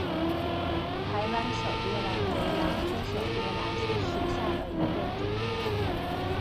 台湾小蝶兰为兰科小蝶兰属下的一个种。